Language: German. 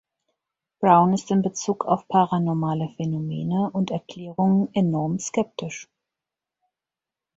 Brown ist in Bezug auf paranormale Phänomene und Erklärungen enorm skeptisch.